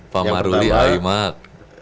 pak maruli imap